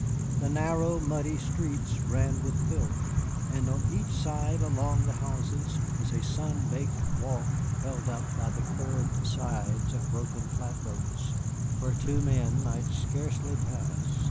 The narrow, muddy streets ran with filth, and on each side along the houses was a sun baked walk held up by the curved sides of broken flatboats, where two men might scarcely pass.